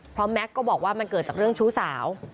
เพราะแม็กซ์ก็บอกว่ามันเกิดจากเรื่องชู้สาว